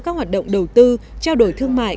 các hoạt động đầu tư trao đổi thương mại